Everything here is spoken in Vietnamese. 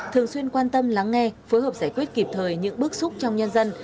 thường xuyên quan tâm lắng nghe phối hợp giải quyết kịp thời những bước xúc trong nhân dân